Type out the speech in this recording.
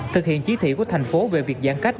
thực hiện chỉ thị của thành phố về việc giãn cách